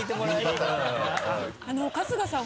春日さん